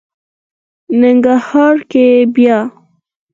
ننګرهار کې بیا...